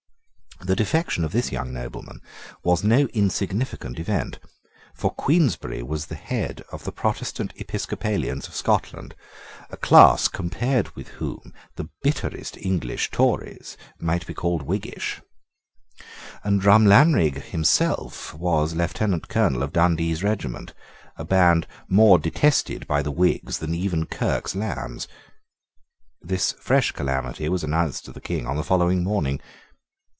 The defection of this young nobleman was no insignificant event. For Queensberry was the head of the Protestant Episcopalians of Scotland, a class compared with whom the bitterest English Tories might be called Whiggish; and Drumlanrig himself was Lieutenant Colonel of Dundee's regiment, a band more detested by the Whigs than even Kirke's lambs. This fresh calamity was announced to the King on the following morning.